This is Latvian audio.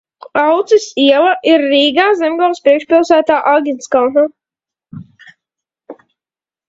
Auces iela ir iela Rīgā, Zemgales priekšpilsētā, Āgenskalnā.